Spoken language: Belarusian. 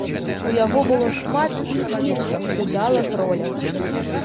У яго было шмат і іншых удалых роляў.